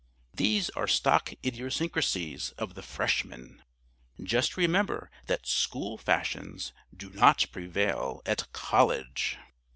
These are stock idiosyncrasies of the Freshman. Just remember that School fashions do not prevail at College.